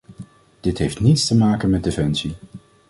Dit heeft niets te maken met defensie.